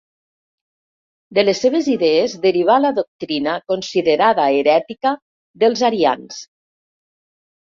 De les seves idees derivà la doctrina considerada herètica dels arians.